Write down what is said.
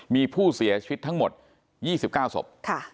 มีผู้เสียชีวิตทั้งหมด๒๙ศพ